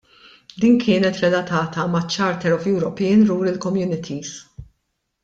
Din kienet relatata maċ-Charter of European Rural Communities.